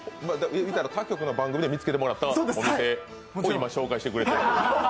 他局の番組で見つけてもらったお店を今日は紹介しもらっている。